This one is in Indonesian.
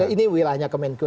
ini wilayahnya kemenku